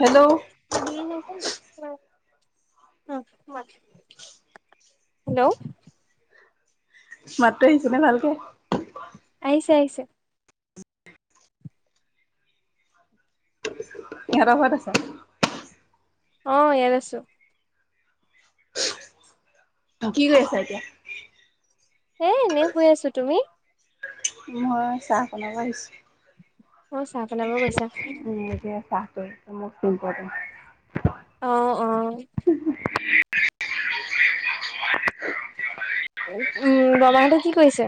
Hello অহ' [unintelligible] hello. মাতটো আহিছে নে ভালকে? আহিছে আহিছে। ইহঁতৰ ঘৰত আছা। অহ ইয়াত আছোঁ। কি কৰি আছা এতিয়া? এ এনেই শুই আছোঁ তুমি? মই চাহ বনাব আহিছোঁ। অ চাহ বনাব গৈছা [unintelligible] অহ' অহ'। উম' বৰমাহঁতে কি কৰিছে?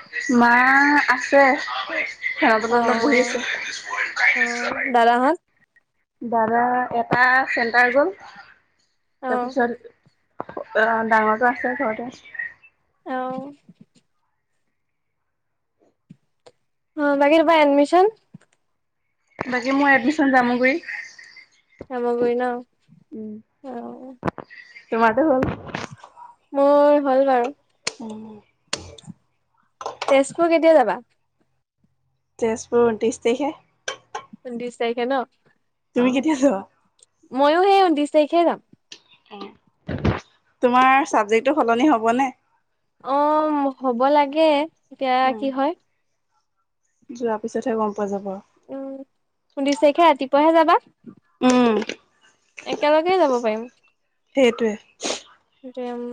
মাঁ আছে। ফেনৰ তলত অ অলপ বহি আছোঁ। অ দাদাহঁত দাদা এটা চেণ্টাৰ গ'ল। অ তাৰ পিছত অহ' ডাঙৰটো আছে ঘৰতে। অহ'। অহ, বাকি তোমাৰ এডমিশন? বাকী মই এডমিশ্যন জামুগুৰি। জামুগুৰি ন'। অহ। তোমাৰটো হ'ল। মোৰ হ'ল বাৰু। উম'। তেজপুৰ কেতিয়া যাবা? তেজপুৰ ঊনত্ৰিশ তাৰিখে। ঊনত্ৰিশ তাৰিখে ন'। তুমি কেতিয়া যোৱা? অহ ময়ো সেই ঊনত্ৰিশ তাৰিখে যাম। তোমাৰ চাবজেক্টতো সলনি হ'বনে? অহ' হ'ব লাগে, এতিয়া উম, কি হয়? যোৱাৰ পিছতহে গম পোৱা যাব আৰু। উম' ঊনত্ৰিছ তাৰিখে ৰাতিপুৱাহে যাবা? উম'। একেলগে যাব পাৰিম। সেইটোৱে। সেইটোৱে উম।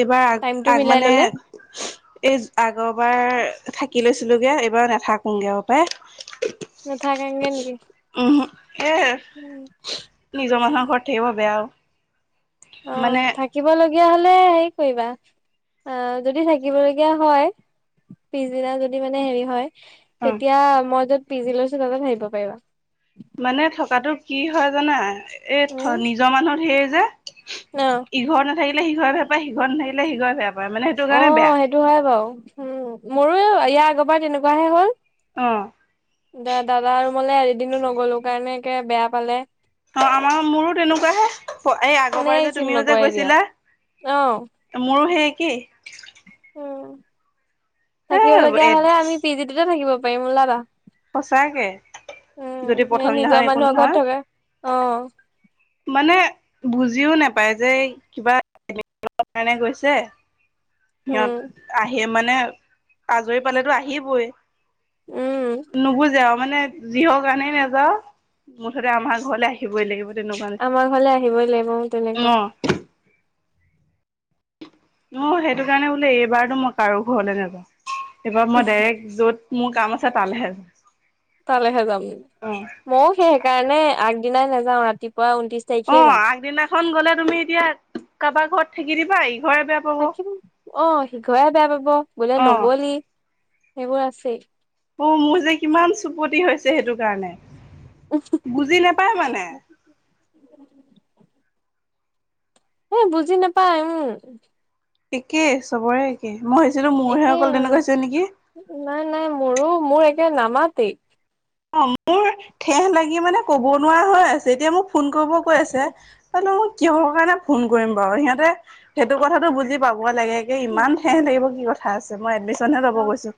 এইবাৰ আগ মানে এই আগৰ বাৰ থাকি লৈছিলোগে, এইবাৰ নাথাকোংগে আৰু পাই। [inaudible] নাথাকেংগে নেকি? উমহো এ নিজৰ মানুহৰ ঘৰত থাকিব বেয়া অ অ'। মানে থাকিবলগীয়া হলে হেৰি কৰিবা, অ' যদি থাকিবলগীয়া হয় পিছদিনা যদি মানে হেৰি হয়, উম তেতিয়া মই য'ত পিজি লৈছো তাতে থাকিব পাৰিবা। মানে থকাটো কি হয় জানা? এই উম নিজৰ মানুহ ঢেঁইৰ যে অ'। ইঘৰত নাথাকিলে সিঘৰে বেয়া পায়, সিঘৰত নথাকিলে সিঘৰে বেয়া পায় মানে এইটো কাৰণে বেয়া। এইটো হয় বাৰু! মোৰো ইয়াৰ আগৰবাৰ তেনেকুৱাহে হ'ল। অ'। দা-দাদা ৰুমলে এদিনো নগলো কাৰণে কে বেয়া পালে। অ' আমাৰ মোৰো তেনেকুৱাহে, এই ফোনে আগবাৰ যে ৰিচিভ তুমিও যে নকৰে এতিয়া গৈছিলা। অ মোৰো সেই একেই। উম এ থাকিব লগীয়া এ হলে আমি পিজিটোতে থাকিব পাৰিম ওলাবা। সঁচাকে উম, যদি প্ৰথম সেই দিনাখন নিজৰ একো মানুহৰ ঘৰত নহয় থকা অ' মানে বুজিও নাপায় যে, এই কিবা কাৰণে গৈছে। উম সিহঁত আহি মানে আজৰি পালেতো আহিবই। উম নুবুজে আৰু মানে। যিহৰ কাৰণেই নেযাও, মুঠতে আমাৰ ঘৰলৈ আহিবই লাগিব। তেনেকুৱা আমাৰ ঘৰলে আহিবই লাগিব। উম নিচিনা। তেনেকুৱা! অ অ' সেইটো কাৰণে বোলে এইবাৰতো মই কাৰো ঘৰলে নাযাওঁ। এইবাৰ মই ডাইৰেক্ট য'ত মোৰ কাম আছে তালেহে যা তালেহে যাম! ময়ো সেই সেইকাৰণে আগদিনাই নাযাওঁ। ৰাতিপুৱাই ঊনত্ৰিশ তাৰিখে অ' যাম আগদিনাখন গলে তুমি এতিয়া কাবাৰ ঘৰত থাকি দিবা। ইঘৰে বেয়া পাব অ থাকিম, অ' সিঘৰে বেয়া পাব বোলে নগলি সেইবোৰ আছেই। অ' মোৰ যে কিমান চুপতি হৈছে সেইটো কাৰণে। [unintelligible] বুজি নাপায় মানে। এ বুজি নাপায়। উম'! একে চবৰে একেই। মই ভাবিছিলো মোৰহে একেই অকল আৰু তেনেকুৱা হৈছে নেকি? নাই নাই, মোৰো-মোৰ একে নামাতেই। অ' মোৰ ঠেহ লাগি মানে ক'ব নোৱাৰা হৈ আছে। এতিয়া মোক ফোন কৰিব কৈ আছে। [unintelligible] কিহৰ কাৰণে ফোন কৰিম বাৰু! সিহঁতে সেইটো কথাটো বুজি পাব লাগে। এ ইমান ঠেহ লাগিব কি কথা আছে, মই এডমিশ্যনহে ল'ব গৈছোঁ।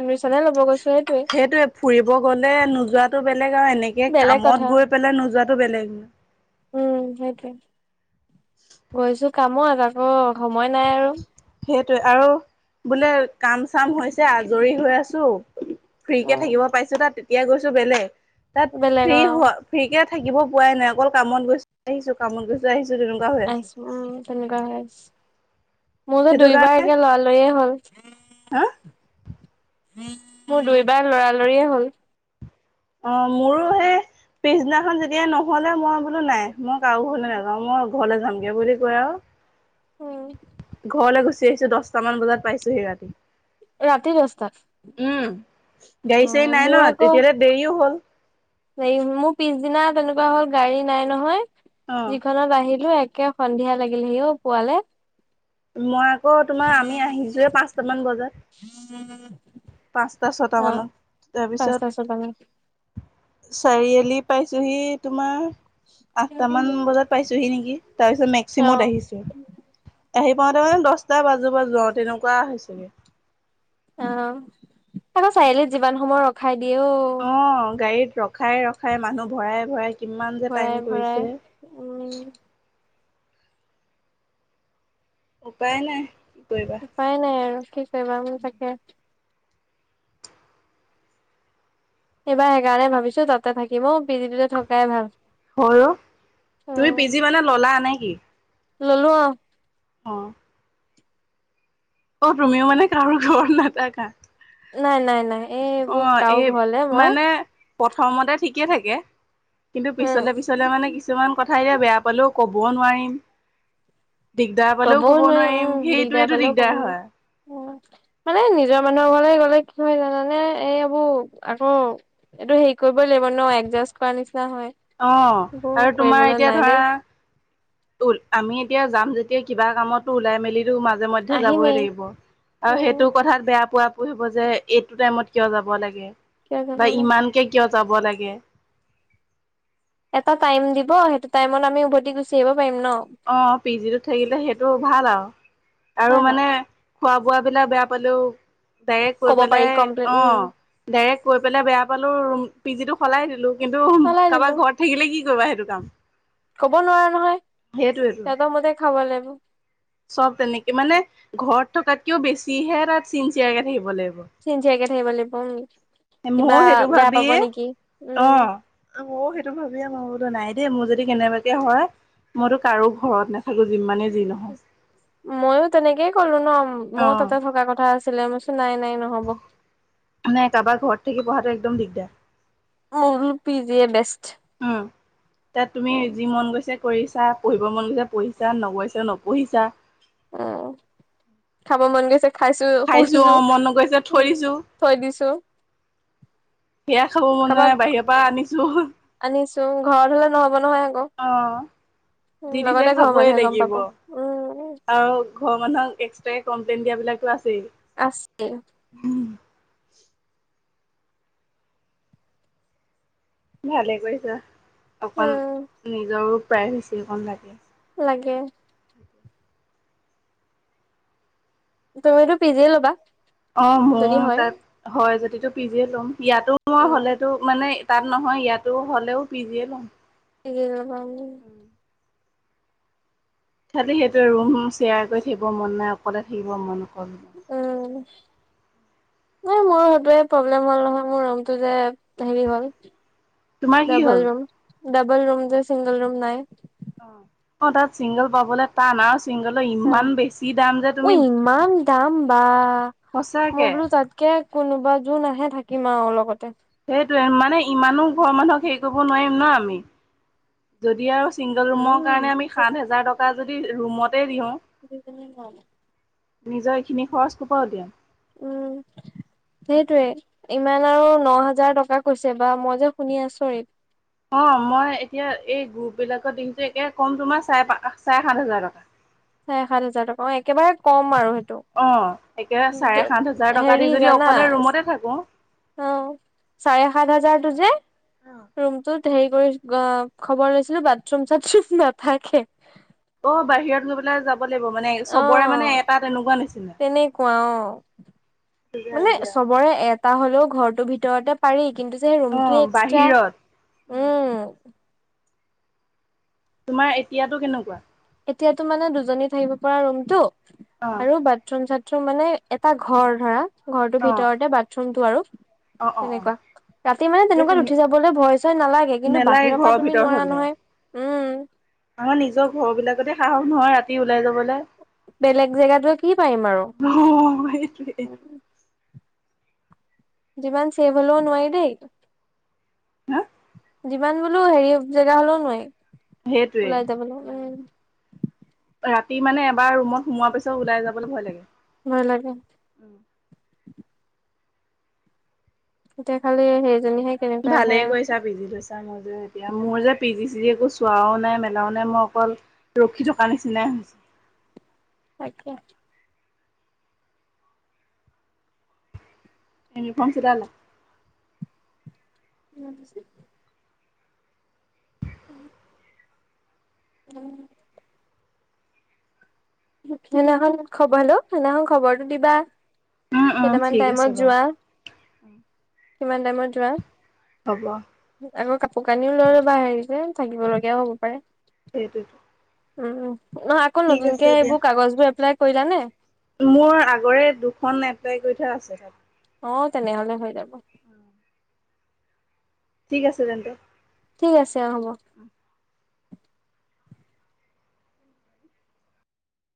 এডমিশ্যনহে লব গৈছো সেইটোৱে। সেইটোয়ে, ফুৰিব গ'লে নোযোৱাটো বেলেগ আৰু এনেকে বেলেগ কথা কামত গৈ পেলাই নোযোৱাতো বেলেগ। উম, সেইটোৱে গৈছো কামত আকৌ সময় নাই আৰু সেইটোৱে আৰু বোলে কাম-চাম হৈছে আজৰি হৈ আছো। ফ্ৰীকে উম থাকিব পাইছো তাত, তেতিয়া গৈছো বেলেগ তাত বেলেগ ফ্ৰী অ হোৱা ফ্ৰীকে থাকিব পোৱাই নাই, অকল কামত গৈছো আহিছো কামত গৈছ আহিছো তেনেকুৱা। হৈ আছে আহিছো উম, তেনেকুৱা হৈ আছ মোৰ যে সেইটো দুইবাৰ কাৰণে একে লৰালৰিয়ে হ'ল। হা? মোৰ দুইবাৰ লৰালৰিয়ে হ'ল। অ', মোৰো সেই পিছদিনাখন যেতিয়া নহ'লে মই বোলো নাই মই কাৰো ঘৰলে নযাওঁ। মই ঘৰলে যামগে বুলি কৈ আৰু উম। ঘৰলৈ গুচি আহিছো দশটামান বজাত পাইছোঁহি ৰাতি। ৰাতি দহটাত? উম, অ গাড়ী-চাড়ী নাই মোৰ ন' আকৌ তেতিয়ালে দেৰিও হ'ল। হেৰি মোৰ পিছদিনা তেনেকুৱা হ'ল গাড়ী নাই নহয়। অ যিখনত আহিলো একে সন্ধিয়া লাগিলেহি অ', পোৱালে। মই আকৌ তোমাৰ আমি আহিছোৱে পাঁচটামান বজাত। [inaudible] পাঁচটা ছটা অ মানত, পাঁচটা ছটা মান তাৰপিছত চাৰিআলি পাইছোহি তোমাৰ আঠটা মান বজাত পাইছোহি নেকি? তাৰপিছত অ মেক্সিমত আহিছোঁ। আহি পাওঁতে মানে দশটা বাজো বাজো আৰু তেনেকুৱা হৈছেগে। অ', আকৌ চাৰিআলিত যিমান সময় ৰখাই দিয়ে অ'। অ', গাড়ীত ৰখাই ৰখাই মানুহ ভৰাই ভৰাই কিমান যে ভৰাই টাইম ভৰাই কৰিছে। উম উপায় নাই। কি কৰিবা। উপাই নাই আৰু কি কৰিবা, উম, তাকে। এইবাৰ সেইকাৰণে ভাবিছো তাতে থাকিম ঔ, পিজিটোতে থকাই ভাল। হয় অ', তুমি উম পি জি মানে ল'লা নে কি? ল'লো। অ' অ'। অ', তুমিও মানে কাৰো ঘৰত নাথাকা? নাই নাই এই অ এইবোৰ কাও এই ঘৰলে মই মানে প্ৰথমতে ঠিকে থাকে, কিন্তু উম পিছলে পিছলে মানে কিছু কিছুমান কথা এতিয়া বেয়া পালেও ক'ব নোৱাৰিম। দিগদাৰ পালেও কবও ক'ব নোৱাৰি নোৱাৰিম, সেইটোয়েতো দিগদাৰ হয়। উ, মানে নিজৰ মানুহৰ ঘৰলৈ গ'লে কি হয় জানানে এই আবোৰ আকৌ এইটো হেৰি কৰিবই লাগিব ন' এডজাষ্ট কৰা নিচিনা হয়, অ এইবোৰ আৰু তোমাৰ কৰিবলৈ এতিয়া নাই ধৰা দেই। আমি এতিয়া যাম যেতিয়া কিবা কামতটো ওলাই মেলিটো মাজে মধ্যে যাবই আহিমেই লাগিব। আৰু উম সেইটো কথাত বেয়া পোৱা পুই হ'ব যে, এইটো টাইমত কিয় যাব লাগে কিয় যাব বা লাগে ইমানকে কিয় যাব লাগে। এটা টাইম দিব সেইটো টাইমত আমি উভতি গুচি আহিব পাৰিম ন'। অ', পি জিটোত থাকিলে সেইটো ভাল আৰু, আৰু হয় ন মানে খোৱা বোৱাবিলাক বেয়া পালেও ডাইৰেক্ট কৈ ক'ব পাৰি পেলাই কমপ্লেইন উম অ'। ডাইৰেক্ট কৈ পেলাই বেয়া পালেওঁ পিজিটো সলাই দিলো, কিন্তু সলাই দিলো কাৰোবাৰ ঘৰত থাকিলে কি কৰিবা সেইটো কাম। ক'ব নোৱাৰা নহয়। সেইটোৱেটো। সিহঁতৰ মতে খাব লাগিব চ'ব তেনেকে মানে ঘৰত থকাতকেও বেছিহে তাত চিনচিয়াৰকে থাকিব লাগিব। চিনচিয়াৰকে থাকিব লাগিব, উম। এই কিবা মইও সেইটো বেয়া পাব ভাবিয়ে নেকি উম অ'। মইও সেইটো ভাবিয়ে মই বোলো নাই দেই মোৰ যদি কেনেবাকে হয়, মইতো কাৰো ঘৰত না [unintelligible] যিমান ময়ো তেনেকেই ক'লো ন', অ ময়ো তাতে থকা কথা আছ ছিলে ম কছো নাই, নাই নহ'ব। নাই, কাবাৰ ঘৰ থাকি পঢ়াটো একদম দিগদাৰ। [unintelligible] PGA best. উম। তাত তুমি উম যি মন গৈছে পঢ়িছা। পঢ়িব মন গৈছে পঢ়িছা, নগৈছা নপঢ়িছা। অ', খাব মন গৈছে খাইছোঁ, খাইছো অ পঢ়িছোঁ, মন নগৈছে থৈ দিছো থৈ দিছোঁ। সেয়া খাব মন যোৱা নাই, বাহিৰৰ পৰা আনিছোঁ। আনিছোঁ, ঘৰত হ'লে নহ'ব নহয় আকৌ। অ', উম যি দিছে লগতে ঘৰৰ খাবই মানুহে গম লাগিব। পাব উম আৰু ঘৰৰ মানুহক এক্সট্ৰাকে কমপ্লেইন দিয়া বিলাকটো আছেই। আ ছে। ভালেই কৰিছা। অকণ উম নিজৰো প্ৰাইভেচী অকণ লাগে। লাগে। তুমিতো পিজিএ ল'বা? অ', যদি মোৰ হয় তাত হয় যদিটো পিজিএ লম। ইয়াতো মই উম হ'লেতো মানে তাত নহয়, ইয়াতো হ'লেও পিজিয়ে ল'ম। [unintelligible] [unintelligible] খালি সেইটোয়ে ৰুম শেয়াৰ কৰি থাকিব মন নাই, অকলে থাকিব মন অকল। উম। এ মোৰো সেটোৱে প্ৰব্লেম হ'ল নহয়, মোৰ ৰুমটো যে হেৰি হ'ল তোমাৰ কি ডাবল হ'ল ৰুম, ডাবল ৰুম যে ছিংগল ৰুম নাই। অ', তাত চিংগল পাবলৈ টান আঅস টান। ঐ ইমান দাম বা মই সঁচাকে বোলো তাত কে কোনোবা যোন আহে থাকিম আৰু লগতে। সেইটোৱে মানে ইমানো ঘৰৰ মানুহক হেৰি কৰিব নোৱাৰিম ন', আমি। যদি আৰু ছিংগল ৰুমৰ উম কাৰণে আমি সাত হেজাৰ টকা যদি ৰুমতে দিওঁ। [unintelligible] নিজৰ এইখিনি খৰচ কৰ পৰা উলিয়াম? সেইটোয়ে, ইমান আৰু ন হাজাৰ টকা কৈছে বা মই যে শুনি আচৰিত। অ', মই এতিয়া এই গ্ৰুপবিলাকত দেখিছো একে কম তোমাৰ চাৰে পা চাৰে সাত হাজাৰ টকা। চাৰে সাত হাজাৰ টকা, অ', একেবাৰে কম আৰু সেইটো। অ', একে চাৰে সাত হাজাৰ টকা হেৰি দি যদি জানা অকলে ৰুমতে থাকো অ', চাৰে সাত হাজাৰটো যে ৰুমটোত হেৰি কৰি অ', খবৰ লৈছিলো, বাথৰুম-চাথৰুম নাথাকে। অ', বাহিৰত গৈ পেলাই যাব ব লাগিব মানে অ চবৰে মানে এটা তেনেকুৱা নিচিনা। তেনেকুৱা অ মানে চবৰে এট টা হ'লেও ঘৰটোৰ ভিতৰতে পাৰি কিন্তু যে অ ৰুমটো এক্সট্ৰা। বাহিৰত উম। তোমাৰ এতিয়াতো কেনেকুৱা? এতিয়াটো মানে দুজনী থাকিব পৰা ৰুমটো, অ আৰু বাথৰুম-চাথৰুম মানে এটা ঘৰ ধৰা, ঘৰটোৰ অ ভিতৰতে বাথৰুমটো আৰু। অ অ অ তেনেকুৱা ৰাতি মানে সেইটো তেনেকুৱাত উঠি যাবলৈ ভয় চয় নালাগে কিন্তু নেলাগে বাহিৰৰ ঘৰৰ পৰা তুমি ভিতৰত নোৱাৰা হলে নহয় উম আমাৰ নিজৰ ঘৰবিলাকতে সাহস নহয় ৰাতি ওলাই যাবলৈ বেলেগ জেগাটোৱে কি পাৰিম আৰু অ সেইটোৱেই। যিমান চেফ হ'লেও নোৱাৰি দেই হা যিমান বোলো হেৰি জেগা হ'লেও নোৱাৰি সেইটোৱে। ওলাই যাবলৈ মানে উম ৰাতি মানে এবাৰ ৰুমত সোমোৱাৰ পিছত ওলাই যাবলৈ ভয় লাগে ভয় লাগে এতিয়া খালি সেইজনীহে কেনেকুৱা আহে ভালেই আৰু কৰিছা পি জি লৈছা [unintelligible] এতিয়া মোৰ যে পি জি চিজি একো চোৱাও নাই মেলাও নাই মই অকল ৰখি থকা নিচিনাই হৈছে। তাকে ইউনিৰ্ফম চিলালা? [unintelligible] [inaudible] উম সেইদিনাখন খবৰলো সেইদিনাখন খবৰটো দিবা উম, উম, কেইটামান ঠিক আছে টাইমত বাৰু যোৱা কিমান টাইমত যোৱা হ'ব আৰু কাপোৰ কানিও লৈ ল'বা হেৰি যে থাকিব লগগীয়াও হ'ব পাৰে সেইটোৱেটো উম, উম। নহয় আকৌ নতুনকে দিয়া। এইবোৰ কাগজ বোৰ এপ্লাই কৰিলা নাই? মোৰ আগৰে দুখন এপ্লাই কৰি থোৱা আছে [unintelligible] অ তেনেহ'লে হৈ যাব [inaudible] ঠিক আছে [unintelligible] ঠিক আছে অ হ'ব অ